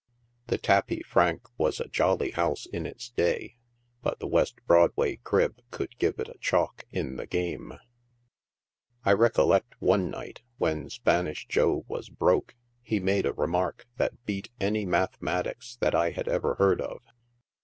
The '• Tapis Franc" was a jolly house in its day, but the West Broadway crib could give it a chalk in the g wa.3. I recollect one night, when Spanish Joe was broke, he made a re mark that beat any mathematics that I had ever heard of.